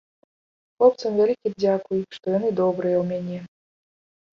Хлопцам вялікі дзякуй, што яны добрыя ў мяне.